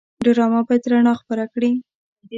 ډرامه باید رڼا خپره کړي